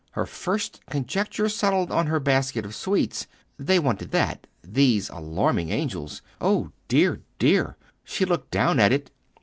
Her first conjecture settled on her basket of sweets. They wanted that, these alarming angels. Oh dear, dear! She looked down at it.